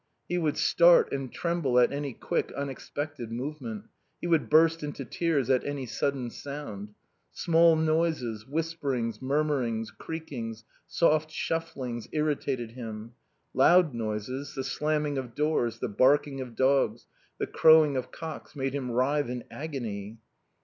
He would start and tremble at any quick, unexpected movement. He would burst into tears at any sudden sound. Small noises, whisperings, murmurings, creakings, soft shufflings, irritated him. Loud noises, the slamming of doors, the barking of dogs, the crowing of cocks, made him writhe in agony.